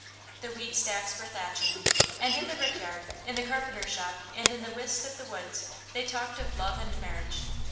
The wheat stacks were thatching, and in the rickyard, in the carpenter's shop, and in the whist of the woods they talked of love and marriage.